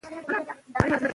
خلک به روباټ وکاروي.